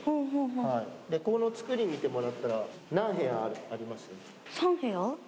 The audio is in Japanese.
はいでこのつくり見てもらったら３部屋ありますよね